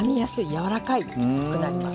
やわらかくなります。